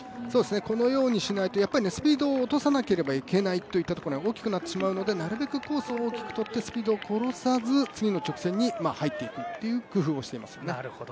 このようにしないと、スピードを落とさなければいけないといったところが大きくなってしまうので、なるべくコースを大きく取ってスピードを殺さず、次の直線に入っていくという工夫をしていますよね。